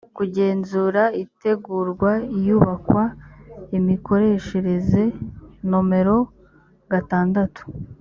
kugenzura itegurwa iyubakwa imikoreshereze nomero gatandatu